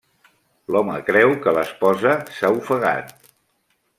L'home creu que l'esposa s'ha ofegat.